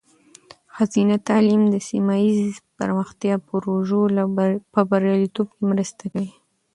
ښځینه تعلیم د سیمه ایزې پرمختیا پروژو په بریالیتوب کې مرسته کوي.